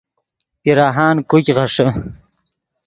پیراہان کوګ غیݰے